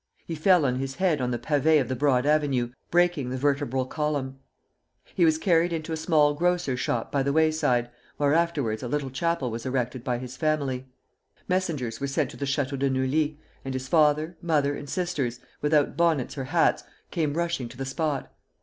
He fell on his head on the pavé of the broad avenue, breaking the vertebral column. He was carried into a small grocer's shop by the way side, where afterwards a little chapel was erected by his family. Messengers were sent to the Château de Neuilly, and his father, mother, and sisters, without bonnets or hats, came rushing to the spot.